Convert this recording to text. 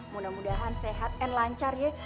mudah mudahan sehat and lancar ya